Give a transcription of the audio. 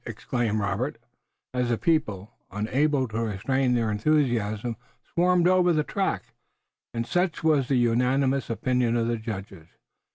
exclaimed Robert, as the people, unable to restrain their enthusiasm, swarmed over the track, and such was the unanimous opinion of the judges.